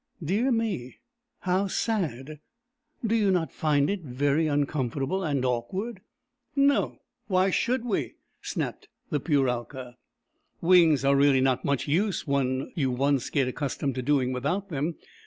" Dear me ! how sad ! Do you not find it very uncomfortable and awkward ?"" No ; why should we ?" snapped the Puralka. THE EMU WHO WOULD DANCE 75 " Wings are really not much use when you once get accustomed to doing without them.